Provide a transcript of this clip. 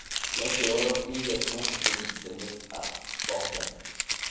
L'Empereur immédiatement donne sa nièce à Sforza.